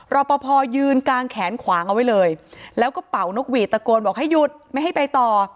รอปภยืนกางแขนขวางเอาไว้เลยแล้วก็เป่านกหวีดตะโกนบอกให้หยุดไม่ให้ไปต่อ